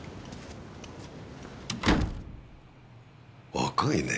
若いね。